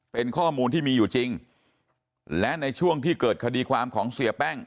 เป็นข้อมูลที่มีอยู่จริงและในช่วงที่เกิดคดีความของเสียแป้ง